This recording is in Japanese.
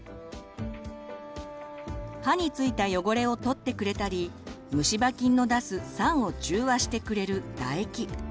歯に付いた汚れを取ってくれたり虫歯菌の出す酸を中和してくれる唾液。